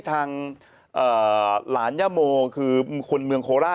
ตบปากหน่อย